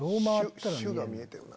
「朱」が見えてるな。